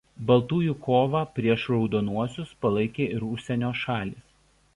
Baltųjų kovą prieš Raudonuosius palaikė ir užsienio šalys.